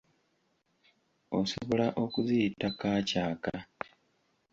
Osobola okuziyita kaacaaka.